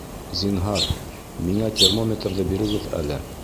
Зинһар, миңә термометрҙы бирегеҙ әле